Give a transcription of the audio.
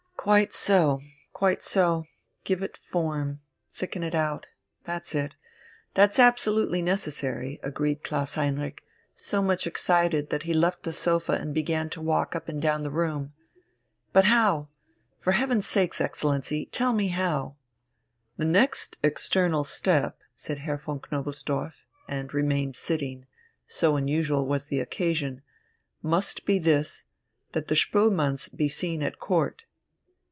"Quite so! quite so! Give it form ... thicken it out.... That's it. That's absolutely necessary," agreed Klaus Heinrich, so much excited that he left the sofa and began to walk up and down the room. "But how? For heaven's sake, Excellency, tell me how?" "The next external step," said Herr von Knobelsdorff, and remained sitting so unusual was the occasion "must be this, that the Spoelmanns be seen at Court."